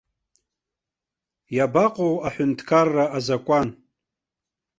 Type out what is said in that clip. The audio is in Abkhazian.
Иабаҟоу аҳәынҭқарра азакәан?